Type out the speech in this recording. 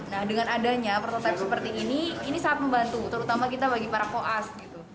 nah dengan adanya prototipe seperti ini ini sangat membantu terutama kita bagi para koas gitu